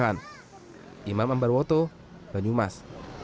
bahkan imam ambarwoto banyumas